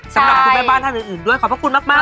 สำหรับคุณแม่บ้านท่านอื่นด้วยขอบพระคุณมาก